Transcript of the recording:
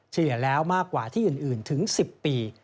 เฉลี่ยแล้วมากกว่าที่อื่นถึง๑๐ปี